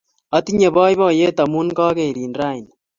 Atinye poipoiyet amun kakerin raini